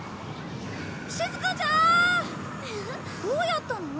どうやったの？